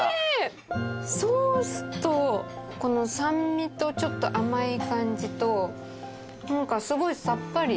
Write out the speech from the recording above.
ソースとこの酸味とちょっと甘い感じとすごいさっぱり。